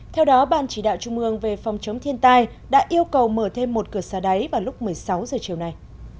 theo đó ban chỉ đạo trung ương về phòng chống thiên tai đã yêu cầu mở thêm một cửa xa đáy vào lúc một mươi sáu h chiều nay